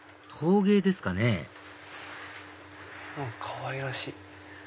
陶芸ですかねかわいらしい。